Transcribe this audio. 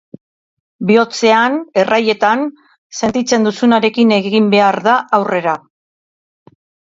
Bihotzean, erraietan, sentitzen duzunarekin egin behar da aurrera.